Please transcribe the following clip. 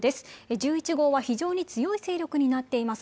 １１号は非常に強い勢力になっています。